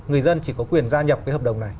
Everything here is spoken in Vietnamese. người dân chỉ có quyền gia nhập cái hợp đồng này